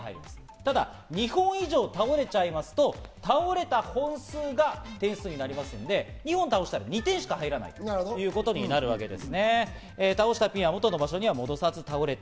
ただ２本以上、倒れちゃいますと倒れた本数が点数になるので、２本倒したら２点しか入らないということになるんです。